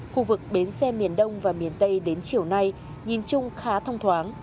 khu vực bến xe miền đông và miền tây đến chiều nay nhìn chung khá thông thoáng